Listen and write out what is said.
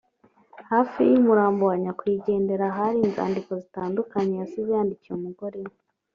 Hafi y’umurambo wa nyakwigendera hari inzandiko zitandukanye yasize yandikiye umugore we